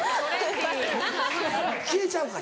消えちゃうから。